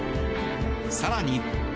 更に。